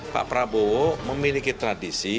pak prabowo memiliki tradisi